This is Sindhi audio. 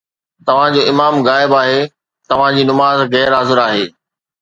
توهان جو امام غائب آهي، توهان جي نماز غير حاضر آهي